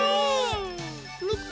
みて。